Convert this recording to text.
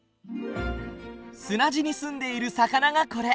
砂地に住んでいる魚がこれ。